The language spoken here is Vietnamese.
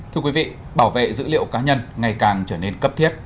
thưa quý vị bảo vệ dữ liệu cá nhân ngày càng trở nên cấp thiết